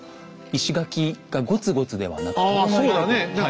石垣がゴツゴツではなくて。